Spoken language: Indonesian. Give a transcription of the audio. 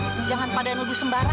ibu jangan pada nuduh sembarangan